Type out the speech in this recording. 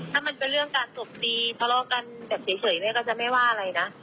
ถ้ามันเป็นเรื่องการตบตีทะเลาะกันแบบเฉยแม่ก็จะไม่ว่าอะไรนะ